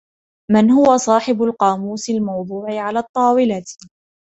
من هو صاحب القاموس الموضوع على الطاولة ؟